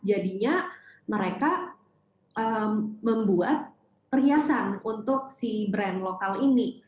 jadinya mereka membuat perhiasan untuk si brand lokal ini